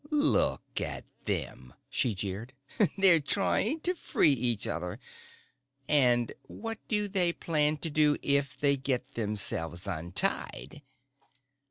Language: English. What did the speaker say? "Look at them," she jeered. "They're trying to free each other! And what do they plan to do if they get themselves untied?"